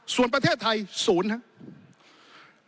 ส่วนประเทศไทย๐ครับ